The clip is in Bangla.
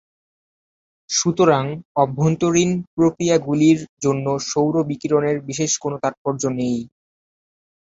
সুতরাং অভ্যন্তরীণ প্রক্রিয়াগুলির জন্য সৌর বিকিরণের বিশেষ কোন তাৎপর্য নেই।